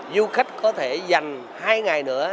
du khách có thể dành hai ngày nữa